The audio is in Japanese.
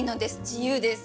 自由です。